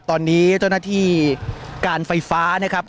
ตอนนี้เจ้าหน้าที่การไฟฟ้านะครับ